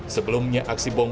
sebelumnya aksi bom bener bener